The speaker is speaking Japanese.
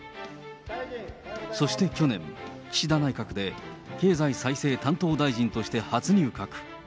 そして去年、岸田内閣で、経済再生担当大臣として初入閣。